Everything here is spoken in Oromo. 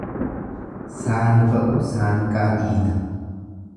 Saani ba'u saanqaa dhiita.